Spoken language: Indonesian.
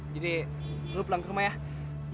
jadi lo pulang ke rumah ya